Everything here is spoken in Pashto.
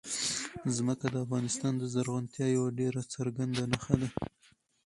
ځمکه د افغانستان د زرغونتیا یوه ډېره څرګنده نښه ده.